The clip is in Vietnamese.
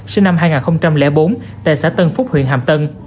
sinh năm hai nghìn bốn tại xã tân phúc huyện hàm tân